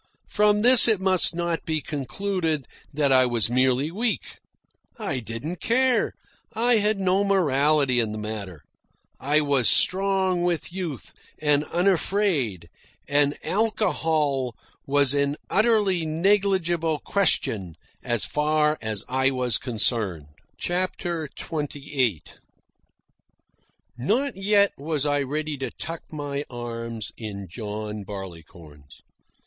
From this it must not be concluded that I was merely weak. I didn't care. I had no morality in the matter. I was strong with youth, and unafraid, and alcohol was an utterly negligible question so far as I was concerned. CHAPTER XXVIII Not yet was I ready to tuck my arm in John Barleycorn's.